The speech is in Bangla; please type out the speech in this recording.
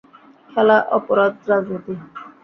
খেলা, অপরাধ, রাজনীতি।